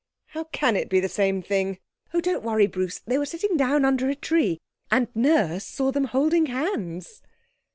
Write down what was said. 'How can it be the same thing?' 'Oh, don't worry, Bruce! They were sitting down under a tree and Nurse saw them holding hands.'